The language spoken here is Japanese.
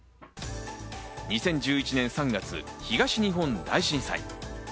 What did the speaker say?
２０１１年３月、東日本大震災。